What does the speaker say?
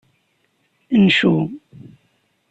Ncu.